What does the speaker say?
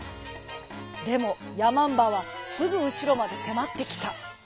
でもやまんばはすぐうしろまでせまってきた。